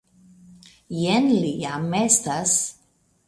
Jen li jam estas.